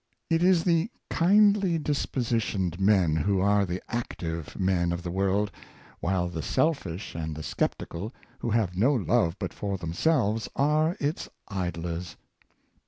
It is the kindly dispositioned men who are the active men of the world, while the selfish and the skeptical, who have no love but for themselves, are its idlers.